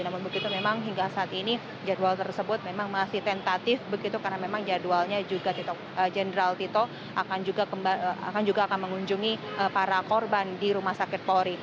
namun begitu memang hingga saat ini jadwal tersebut memang masih tentatif begitu karena memang jadwalnya juga tito jenderal tito akan juga akan mengunjungi para korban di rumah sakit polri